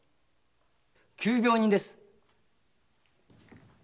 急病人です。